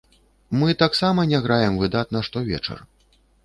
Мы таксама не граем выдатна штовечар.